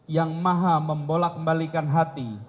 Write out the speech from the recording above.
yang maha membolak kembalikan hati